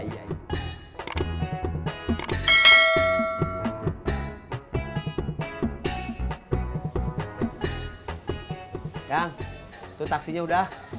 yang tuh taksinya udah